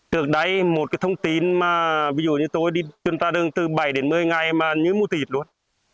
từ đấy một cái thông tin mà ví dụ như tôi đi chúng ta đứng từ bảy đến một mươi ngày mà như mua tịt luôn